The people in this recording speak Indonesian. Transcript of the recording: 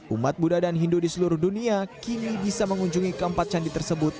umat buddha dan hindu di seluruh dunia kini bisa mengunjungi keempat candi tersebut